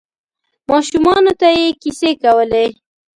ماشومانو ته یې کیسې کولې.